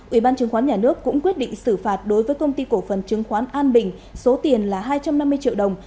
ủy ban chứng khoán nhà nước cũng quyết định xử phạt đối với công ty cổ phần chứng khoán an bình số tiền là hai trăm năm mươi triệu đồng